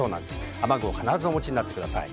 雨具を必ずお持ちになってください。